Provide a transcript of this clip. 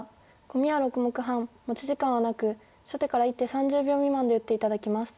コミは６目半持ち時間はなく初手から１手３０秒未満で打って頂きます。